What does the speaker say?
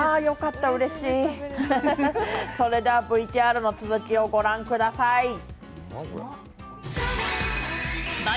よかった、うれしい、それではＶＴＲの続きを御覧ください。